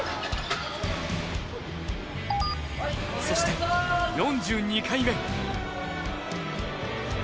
そして４２回目。